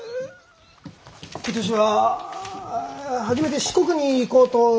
今年は初めて四国に行こうと。